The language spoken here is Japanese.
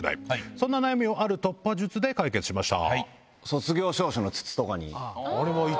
そんな悩みをある突破術で解決しました。